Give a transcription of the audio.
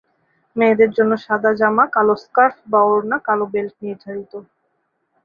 মেয়েদের জন্য সাদা জামা, কালো স্কার্ফ বা ওড়না, কালো বেল্ট নির্ধারিত।